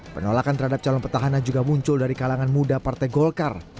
penolakan terhadap calon petahana juga muncul dari kalangan muda partai golkar